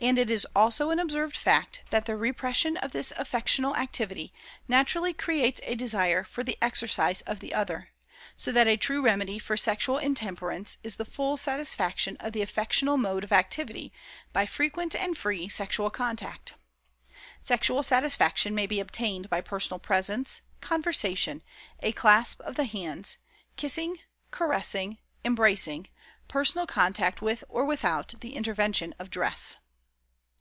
And it is also an observed fact that the repression of this affectional activity naturally creates a desire for the exercise of the other; so that a true remedy for sexual intemperance is the full satisfaction of the affectional mode of activity by frequent and free sexual contact. Sexual satisfaction may be obtained by personal presence, conversation, a clasp of the hands, kissing, caressing, embracing, personal contact with or without the intervention of dress.